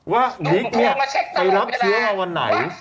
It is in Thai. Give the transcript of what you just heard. ว่านิกเนี่ยไปรับเชื้อวันไหน